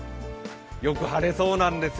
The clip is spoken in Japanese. よく晴れそうなんですよ。